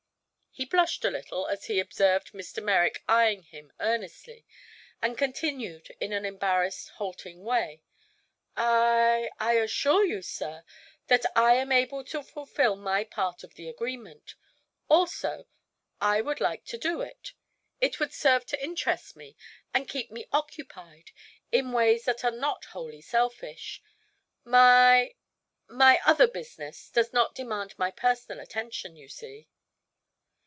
He blushed a little as he observed Mr. Merrick eyeing him earnestly, and continued in an embarrassed, halting way: "I I assure you, sir, that I am able to fulfill my part of the agreement. Also I would like to do it. It would serve to interest me and keep me occupied in ways that are not wholly selfish. My my other business does not demand my personal attention, you see."